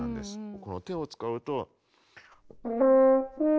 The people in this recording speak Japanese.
この手を使うと。